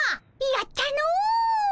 やったの！